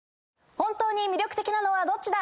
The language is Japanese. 本当に魅力的なのはどっちだ⁉